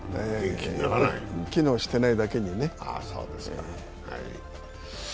機能してないだけにね。